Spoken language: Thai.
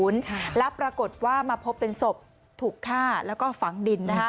และปรากฏว่ามาพบเป็นศพถูกฆ่าและฝังดิน